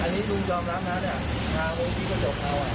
อันนี้รุ่นยอมรับน้ำน้ำทางโอ้ยพี่ก็เดี๋ยวเข้า